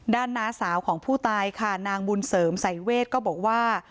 ด้านนาสาวของผู้ตายค่ะนะคะนางบุญเสริมใส่เวทย์ก็บอกว่า